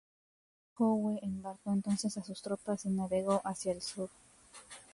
Howe embarcó entonces a sus tropas y navegó hacia el sur.